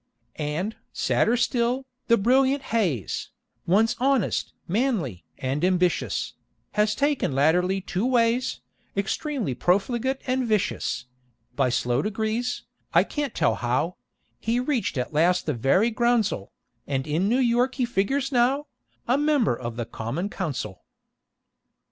And, sadder still, the brilliant HAYS, Once honest, manly, and ambitious, Has taken latterly to ways Extremely profligate and vicious; By slow degrees I can't tell how He's reached at last the very groundsel, And in New York he figures now, A member of the Common Council!